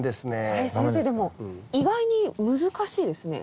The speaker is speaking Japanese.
これ先生でも意外に難しいですね。